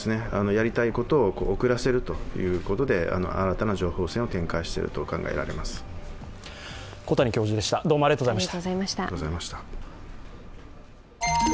やりたいことを遅らせるということで、新たな情報戦を展開していると考えられます。